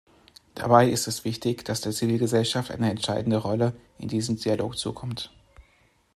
Dabei ist es wichtig, dass der Zivilgesellschaft eine entscheidende Rolle in diesem Dialog zukommt.